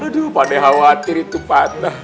aduh pandai khawatir itu patah